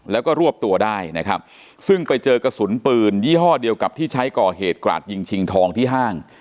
แล้วก็รวบตัวได้นะครับซึ่งไปเจอกระสุนปืนยี่ห้อเดียวกับที่ใช้ก่อเหตุกราดยิงชิงทองที่ห้าง